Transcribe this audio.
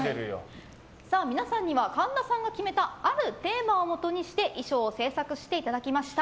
皆さんには神田さんが決めたあるテーマをもとにして衣装を制作していただきました。